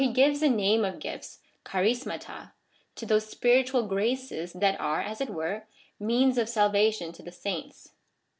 gives the name of gifts {')(apLcr[xaTa) to those sijiritual graces that are, as it were, means of salvation to the saints.